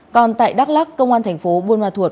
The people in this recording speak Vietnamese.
còn tại đắk lắc công an thành phố buôn ma thuột